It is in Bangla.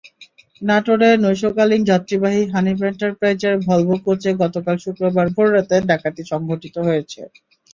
নাটোরে নৈশকালীন যাত্রীবাহী হানিফ এন্টারপ্রাইজের ভলভো কোচে গতকাল শুক্রবার ভোররাতে ডাকাতি সংঘটিত হয়েছে।